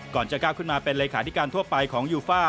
จะก้าวขึ้นมาเป็นเลขาธิการทั่วไปของยูฟ่า